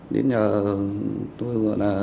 đến nhờ tôi gọi là